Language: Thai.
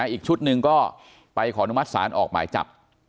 อีกชุดหนึ่งก็ไปขออนุมัติศาลออกหมายจับ